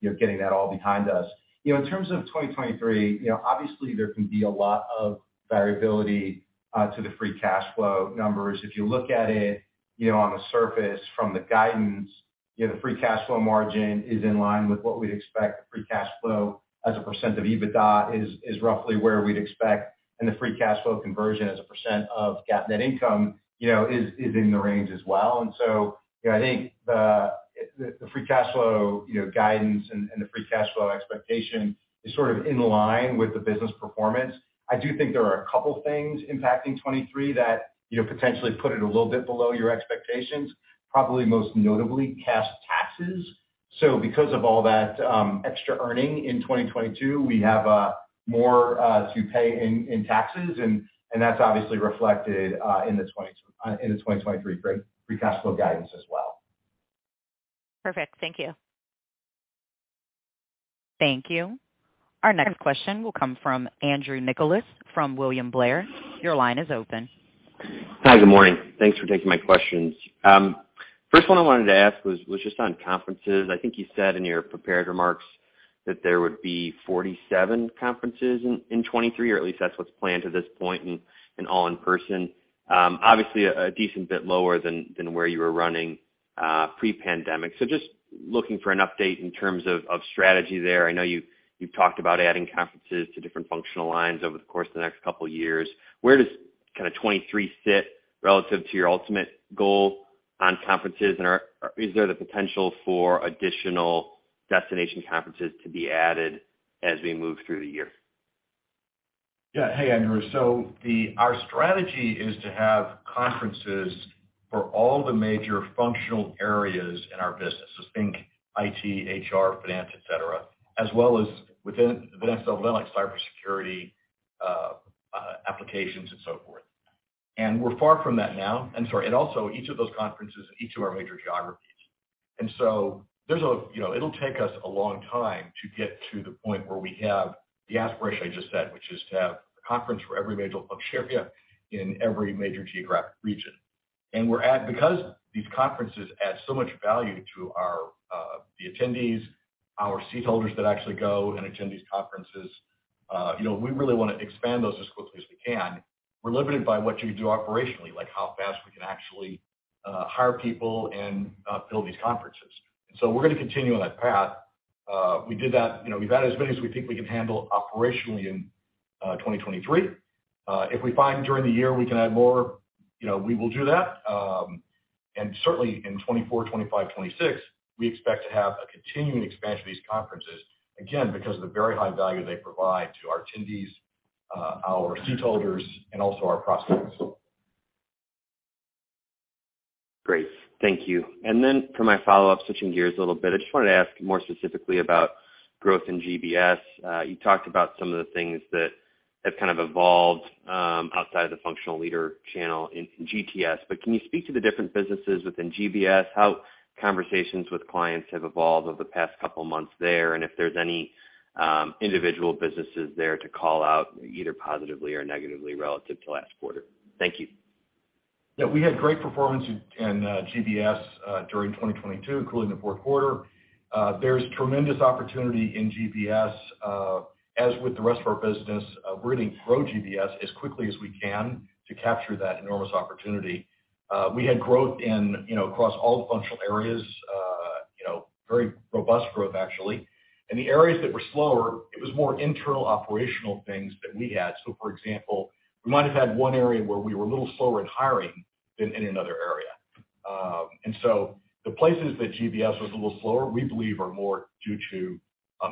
you know, getting that all behind us. You know, in terms of 2023, you know, obviously there can be a lot of variability to the free cash flow numbers. If you look at it, you know, on the surface from the guidance, you know, the free cash flow margin is in line with what we'd expect. Free cash flow as a percent of EBITDA is roughly where we'd expect, and the free cash flow conversion as a percent of GAAP net income, you know, is in the range as well. You know, I think the free cash flow, you know, guidance and the free cash flow expectation is sort of in line with the business performance. I do think there are a couple things impacting 2023 that, you know, potentially put it a little bit below your expectations, probably most notably cash taxes. Because of all that extra earning in 2022, we have more to pay in taxes, and that's obviously reflected in the 2023 free cash flow guidance as well. Perfect. Thank you. Thank you. Our next question will come from Andrew Nicholas from William Blair. Your line is open. Hi. Good morning. Thanks for taking my questions. The first one I wanted to ask was just on conferences. I think you said in your prepared remarks that there would be 47 conferences in 2023 or at least that's what's planned to this point and all in person. Obviously a decent bit lower than where you were running pre-pandemic so just looking for an update in terms of strategy there. I know you've talked about adding conferences to different functional lines over the course of the next couple years. Where does kind of 2023 sit relative to your ultimate goal on conferences? Is there the potential for additional destination conferences to be added as we move through the year? Hey, Andrew. Our strategy is to have conferences for all the major functional areas in our business so think IT, HR, finance, et cetera, as well as within the next level, like cybersecurity applications and so forth. We're far from that now. I'm sorry, also each of those conferences in each of our major geographies. It'll take us a long time to get to the point where we have the aspiration I just said, which is to have a conference for every major function area in every major geographic region. Because these conferences add so much value to the attendees, our seat holders that actually go and attend these conferences, you know, we really want to expand those as quickly as we can. We're limited by what you can do operationally, like how fast we can actually hire people and build these conferences. So we're going to continue on that path. We did that. You know, we've had as many as we think we can handle operationally in 2023. If we find during the year we can add more, you know, we will do that. Certainly in 2024, 2025, 2026, we expect to have a continuing expansion of these conferences, again, because of the very high value they provide to our attendees, our seat holders, and also our prospects. Great. Thank you. For my follow-up, switching gears a little bit, I just wanted to ask more specifically about growth in GBS. You talked about some of the things that have kind of evolved outside of the functional leader channel in GTS, but can you speak to the different businesses within GBS, how conversations with clients have evolved over the past couple months there, and if there's any individual businesses there to call out either positively or negatively relative to last quarter? Thank you. Yeah. We had great performance in GBS during 2022, including the fourth quarter. There's tremendous opportunity in GBS. As with the rest of our business, we're going to grow GBS as quickly as we can to capture that enormous opportunity. We had growth in, you know, across all the functional areas, you know, very robust growth, actually. In the areas that were slower, it was more internal operational things that we had. For example, we might have had one area where we were a little slower in hiring than in another area. The places that GBS was a little slower, we believe are more due to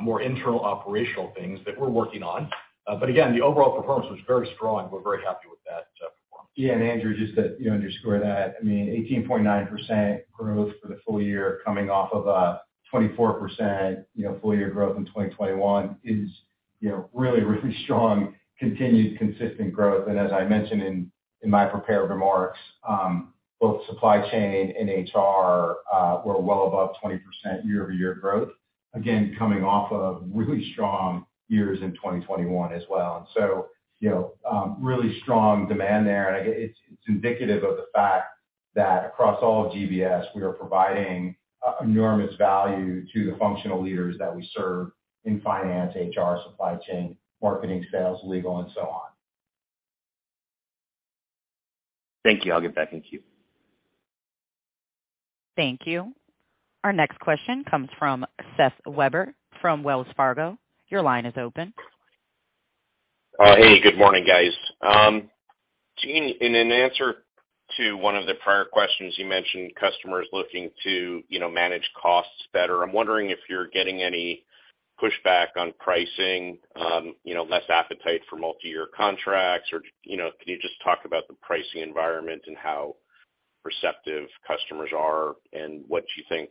more internal operational things that we're working on. Again, the overall performance was very strong. We're very happy with that performance. Yeah. Andrew, just to, you know, underscore that, I mean, 18.9% growth for the full-year coming off of a 24%, you know, full-year growth in 2021 is, you know, really, really strong continued consistent growth. As I mentioned in my prepared remarks, both supply chain and HR were well above 20% year-over-year growth, again, coming off of really strong years in 2021 as well, you know, really strong demand there. It's, it's indicative of the fact that across all of GBS, we are providing enormous value to the functional leaders that we serve in finance, HR, supply chain, marketing, sales, legal and so on. Thank you. I'll get back in queue. Thank you. Our next question comes from Seth Weber from Wells Fargo. Your line is open. Hey, good morning, guys. Gene, in an answer to one of the prior questions, you mentioned customers looking to, you know, manage costs better. I'm wondering if you're getting any pushback on pricing, you know, less appetite for multiyear contracts or, you know, can you just talk about the pricing environment and how perceptive customers are and what you think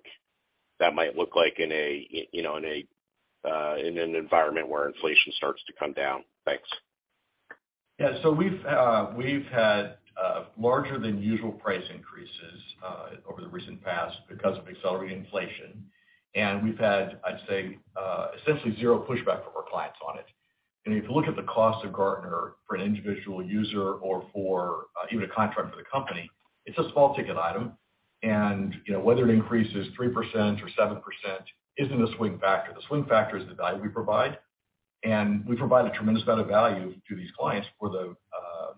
that might look like in an environment where inflation starts to come down? Thanks. Yeah. We've had larger than usual price increases over the recent past because of accelerating inflation. We've had, I'd say, essentially zero pushback from our clients on it. If you look at the cost of Gartner for an individual user or for even a contract for the company, it's a small ticket item, you know, whether it increases 3% or 7% isn't a swing factor. The swing factor is the value we provide, and we provide a tremendous amount of value to these clients for the,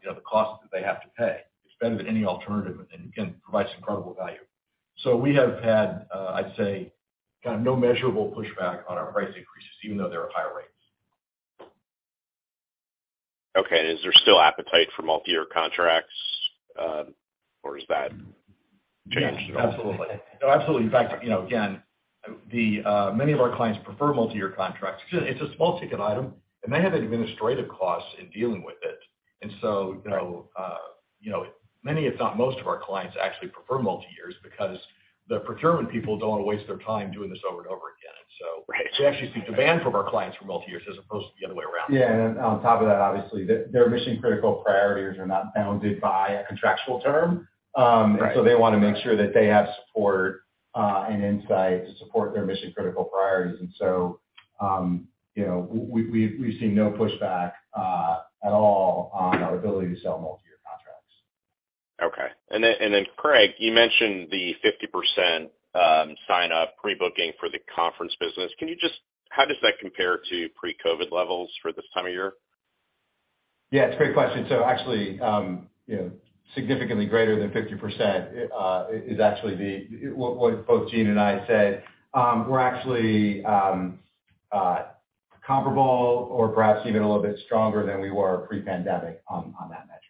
you know, the costs that they have to pay. It's better than any alternative and provides incredible value. We have had, I'd say kind of no measurable pushback on our price increases, even though they were higher rates. Okay. Is there still appetite for multiyear contracts or has that changed at all? Yeah. Absolutely. No, absolutely. In fact, you know, again, the many of our clients prefer multiyear contracts. It's a small ticket item, and they have administrative costs in dealing with it. You know, you know, many, if not most of our clients actually prefer multi-years because the procurement people don't want to waste their time doing this over and over again. Right We actually see demand from our clients for multiyears as opposed to the other way around. Yeah. On top of that, obviously, their mission critical priorities are not bounded by a contractual term. Right. They want to make sure that they have support and insight to support their mission critical priorities. We've seen no pushback, at all on our ability to sell multiyear contracts. Okay. Craig, you mentioned the 50% sign up pre-booking for the conference business. How does that compare to pre-COVID levels for this time of year? Yeah, it's a great question. Actually, you know, significantly greater than 50%, is actually what both Gene and I said. We're actually comparable or perhaps even a little bit stronger than we were pre-pandemic on that metric.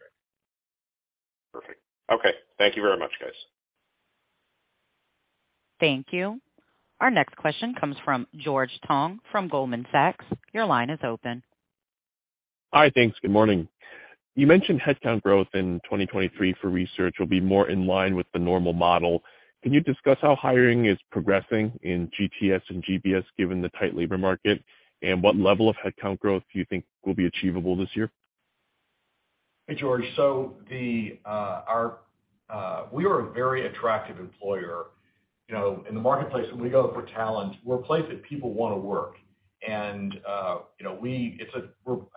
Perfect. Okay. Thank you very much, guys. Thank you. Our next question comes from George Tong from Goldman Sachs. Your line is open. Hi. Thanks. Good morning. You mentioned headcount growth in 2023 for research will be more in line with the normal model. Can you discuss how hiring is progressing in GTS and GBS given the tight labor market and what level of headcount growth do you think will be achievable this year? Hey, George. We are a very attractive employer, you know, in the marketplace when we go for talent. We're a place that people want to work and, you know, we're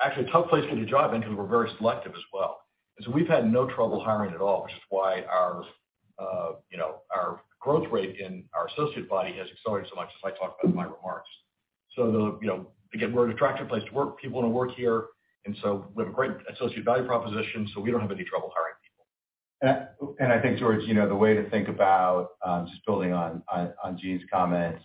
actually a tough place to get a job because we're very selective as well. We've had no trouble hiring at all, which is why our, you know, our growth rate in our associate body has accelerated so much as I talked about in my remarks. Again, we're an attractive place to work, people want to work here, and so we have a great associate value proposition, so we don't have any trouble hiring people. I think, George Tong, you know, the way to think about, just building on Gene's comments,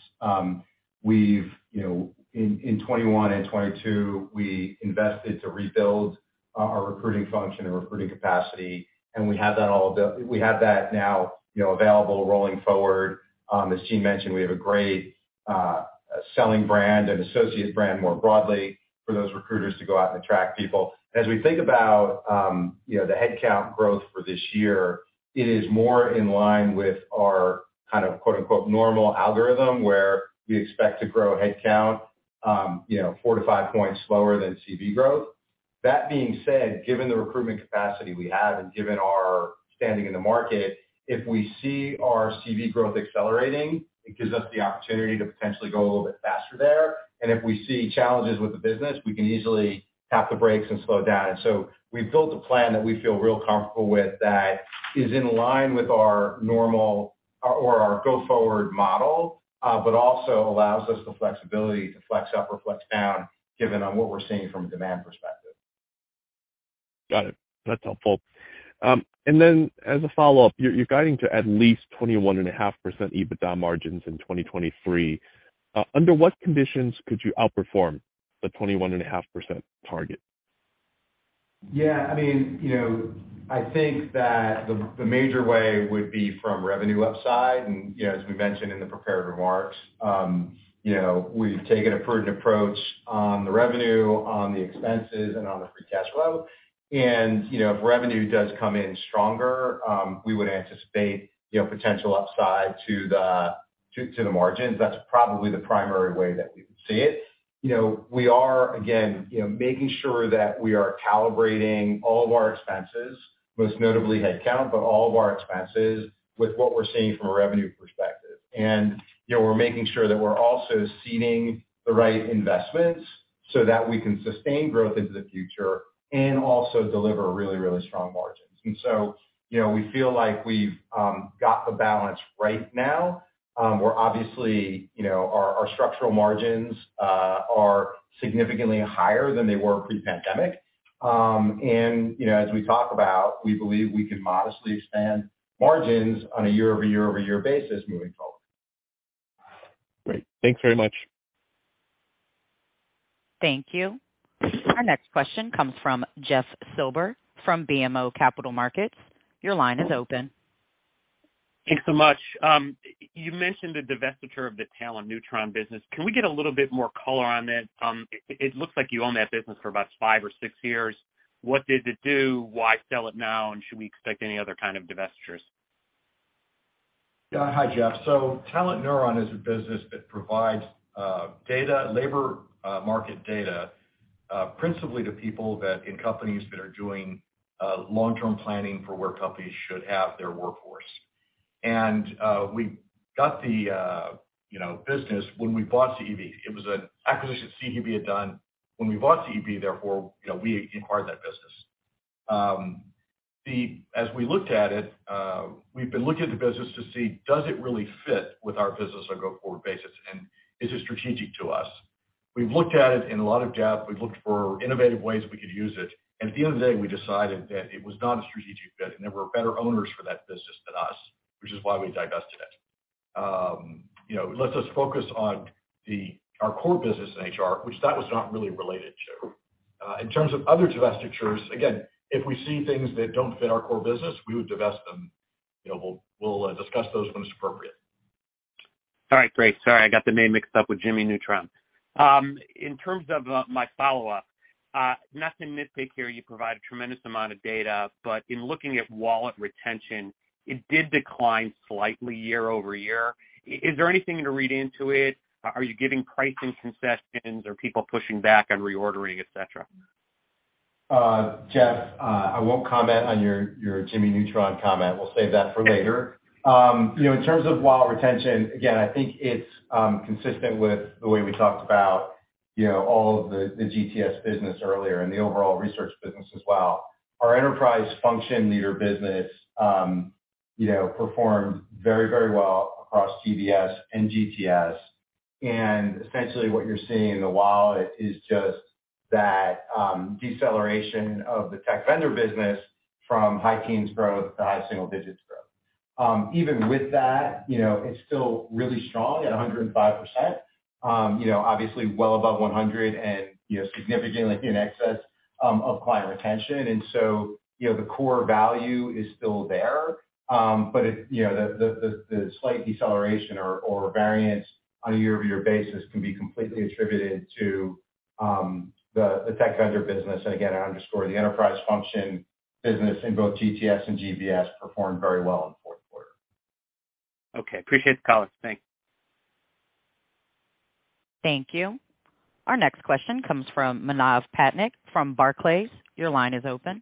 we've, you know, in 2021 and 2022, we invested to rebuild our recruiting function and recruiting capacity, and we have that now, you know, available rolling forward. As Gene mentioned, we have a great selling brand and associate brand more broadly for those recruiters to go out and attract people. As we think about, you know, the headcount growth for this year, it is more in line with our kind of "normal algorithm", where we expect to grow headcount, you know, four point to five points slower than CV growth. That being said, given the recruitment capacity we have and given our standing in the market, if we see our CV growth accelerating, it gives us the opportunity to potentially go a little bit faster there. If we see challenges with the business, we can easily tap the brakes and slow down. We've built a plan that we feel real comfortable with that is in line with our normal or our go-forward model, but also allows us the flexibility to flex up or flex down given on what we're seeing from a demand perspective. Got it. That's helpful. As a follow-up, you're guiding to at least 21.5% EBITDA margins in 2023. Under what conditions could you outperform the 21.5% target? Yeah, I mean, you know, I think that the major way would be from revenue upside. You know, as we mentioned in the prepared remarks, you know, we've taken a prudent approach on the revenue, on the expenses and on the free cash flow. You know, if revenue does come in stronger, we would anticipate, you know, potential upside to the margins. That's probably the primary way that we would see it. You know, we are again, you know, making sure that we are calibrating all of our expenses, most notably headcount, but all of our expenses with what we're seeing from a revenue perspective. We're making sure that we're also seeding the right investments so that we can sustain growth into the future and also deliver really, really strong margins. You know, we feel like we've got the balance right now. We're obviously, you know, our structural margins are significantly higher than they were pre-pandemic and, you know, as we talk about, we believe we can modestly expand margins on a year-over-year-over-year basis moving forward. Great. Thanks very much. Thank you. Our next question comes from Jeffrey Silber from BMO Capital Markets. Your line is open. Thanks so much. You mentioned the divestiture of the TalentNeutron business. Can we get a little bit more color on it? It looks like you own that business for about five or six years. What did it do? Why sell it now? Should we expect any other kind of divestitures? Yeah. Hi, Jeff. TalentNeuron is a business that provides data, labor market data, principally to people that in companies that are doing long-term planning for where companies should have their workforce. We got the, you know, business when we bought CEB. It was an acquisition CEB had done when we bought CEB, therefore, you know, we acquired that business. As we looked at it, we've been looking at the business to see does it really fit with our business on a go-forward basis, and is it strategic to us? We've looked at it in a lot of depth. We've looked for innovative ways we could use it. At the end of the day, we decided that it was not a strategic fit and there were better owners for that business than us, which is why we divested it. You know, it lets us focus on our core business in HR, which that was not really related to. In terms of other divestitures, again, if we see things that don't fit our core business, we would divest them. We'll discuss those when it's appropriate. All right. Great. Sorry, I got the name mixed up with Jimmy Neutron. In terms of my follow-up, nothing nitpicky here, you provide a tremendous amount of data, but in looking at wallet retention, it did decline slightly year-over-year. Is there anything to read into it? Are you giving pricing concessions? Are people pushing back on reordering, et cetera? Jeff, I won't comment on your Jimmy Neutron comment. We'll save that for later. You know, in terms of wallet retention, again, I think it's consistent with the way we talked about, you know, all of the GTS business earlier and the overall research business as well. Our enterprise function leader business, you know, performed very, very well across GBS and GTS. Essentially what you're seeing in the wallet is just that deceleration of the tech vendor business from high-teens growth to high-single-digits growth. Even with that, you know, it's still really strong at 105%. You know, obviously well above 100% and, you know, significantly in excess of client retention. So, you know, the core value is still there. You know, the slight deceleration or variance on a year-over-year basis can be completely attributed to the tech vendor business. Again, I underscore the enterprise function business in both GTS and GBS performed very well in the fourth quarter. Okay. Appreciate the call. Thanks. Thank you. Our next question comes from Manav Patnaik from Barclays. Your line is open.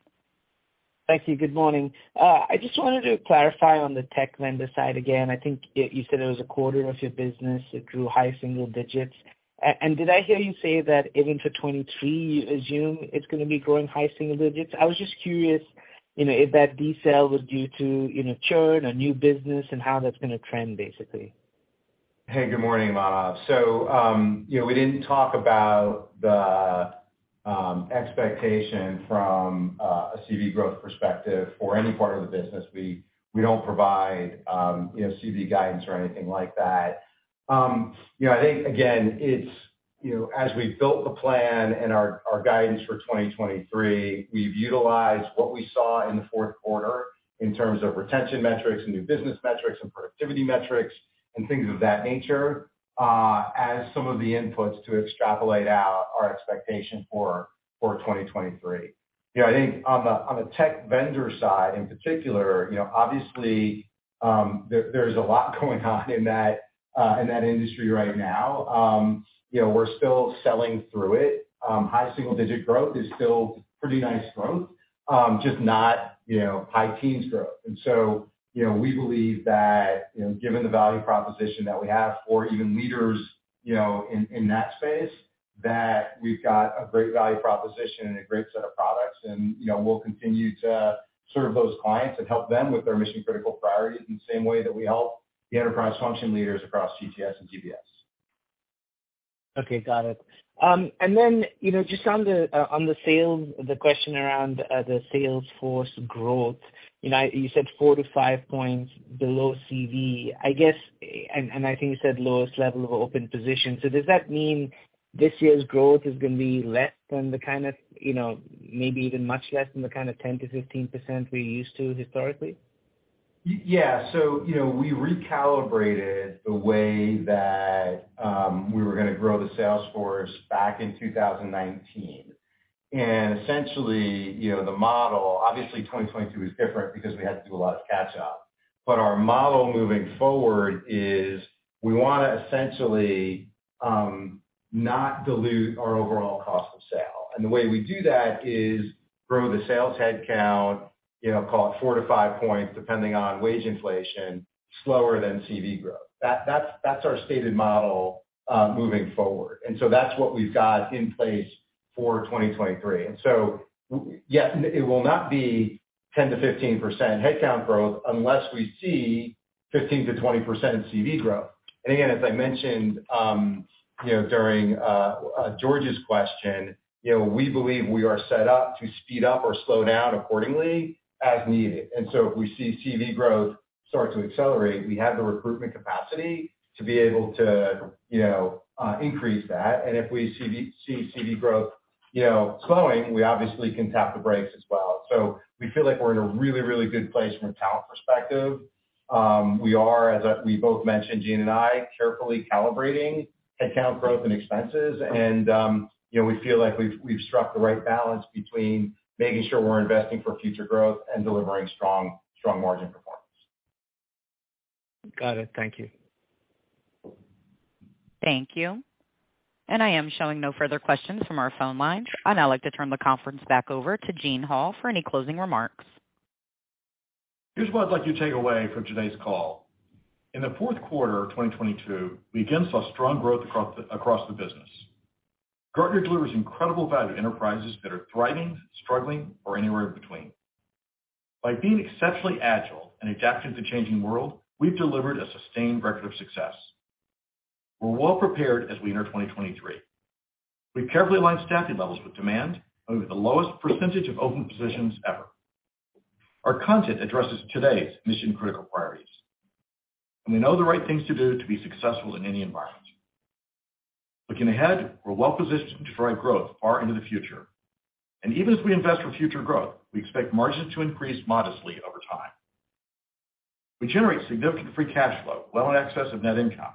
Thank you. Good morning. I just wanted to clarify on the tech vendor side again. I think you said it was a quarter of your business. It grew high-single-digits. Did I hear you say that even for 2023, you assume it's going to be growing high-single-digits? I was just curious, you know, if that decel was due to, you know, churn or new business and how that's going to trend, basically? Good morning, Manav. You know, we didn't talk about the expectation from a CV growth perspective for any part of the business. We don't provide, you know, CV guidance or anything like that. I think again, it's, you know, as we've built the plan and our guidance for 2023, we've utilized what we saw in the fourth quarter in terms of retention metrics and new business metrics and productivity metrics and things of that nature, as some of the inputs to extrapolate out our expectation for 2023. You know, I think on the tech vendor side in particular, you know, obviously, there's a lot going on in that industry right now. You know, we're still selling through it. High-single-digit growth is still pretty nice growth, just not, you know, high-teens growth. You know, we believe that, you know, given the value proposition that we have for even leaders, you know, in that space, that we've got a great value proposition and a great set of products and, you know, we'll continue to serve those clients and help them with their mission-critical priorities in the same way that we help the enterprise function leaders across GTS and GBS. Okay. Got it. You know, just on the, on the sales, the question around, the sales force growth, you know, you said four points to five points below CV. I think you said lowest level of open positions. Does that mean this year's growth is going to be less than the kind of, you know, maybe even much less than the kind of 10% to 15% we're used to historically? Yeah. You know, we recalibrated the way that we were going to grow the sales force back in 2019. Essentially, you know, the model, obviously 2022 is different because we had to do a lot of catch-up. Our model moving forward is we want to essentially not dilute our overall cost of sale. The way we do that is grow the sales headcount, you know, call it four points to five points, depending on wage inflation, slower than CV growth. That's our stated model moving forward. That's what we've got in place for 2023. Yes, it will not be 10% to 15% headcount growth unless we see 15% to 20% in CV growth. Again, as I mentioned, you know, during George's question, you know, we believe we are set up to speed up or slow down accordingly as needed. If we see CV growth start to accelerate, we have the recruitment capacity to be able to, you know, increase that. If we see CV growth, you know, slowing, we obviously can tap the brakes as well. We feel like we're in a really, really good place from a talent perspective. We are, as we both mentioned, Gene and I, carefully calibrating headcount growth and expenses. We feel like we've struck the right balance between making sure we're investing for future growth and delivering strong margin performance. Got it. Thank you. Thank you. I am showing no further questions from our phone lines. I'd now like to turn the conference back over to Eugene Hall for any closing remarks. Here's what I'd like you to take away from today's call. In the fourth quarter of 2022, we again saw strong growth across the business. Gartner delivers incredible value to enterprises that are thriving, struggling, or anywhere in between. By being exceptionally agile and adapting to a changing world, we have delivered a sustained record of success. We're well prepared as we enter 2023. We've carefully aligned staffing levels with demand and with the lowest percentage of open positions ever. Our content addresses today's mission-critical priorities and we know the right things to do to be successful in any environment. Looking ahead, we're well-positioned to drive growth far into the future. Even as we invest for future growth, we expect margins to increase modestly over time. We generate significant free cash flow well in excess of net income.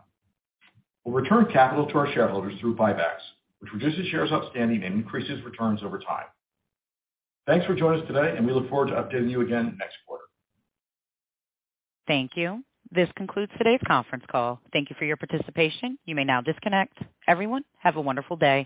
We'll return capital to our shareholders through buybacks, which reduces shares outstanding, and increases returns over time. Thanks for joining us today and we look forward to updating you again next quarter. Thank you. This concludes today's conference call. Thank you for your participation. You may now disconnect. Everyone, have a wonderful day.